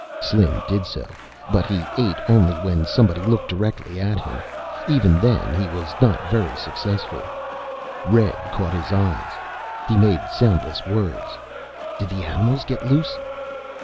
Slim did so, but he ate only when someone looked directly upon him. Even then he was not very successful. Red caught his eyes. He made soundless words, "Did the animals get loose?"